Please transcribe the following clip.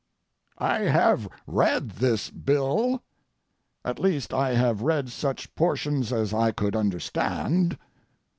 I have read this bill. At least I have read such portions as I could understand.